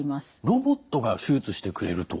ロボットが手術してくれると。